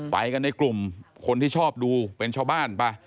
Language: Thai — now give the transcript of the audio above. ไปกันในกลุ่มคนที่ชอบดูเป็นชาวบ้านไป